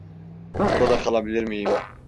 Burada kalabilir miyim?